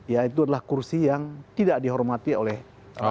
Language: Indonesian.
ya itu adalah kursi yang tidak dihormati oleh